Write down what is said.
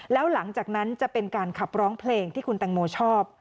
แล้วหลังจากนั้นจะเป็นการขับร้องเพลงที่คุณแตงโมชอบ